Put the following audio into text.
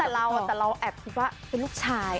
แต่เราคิดว่าเป็นลูกชาย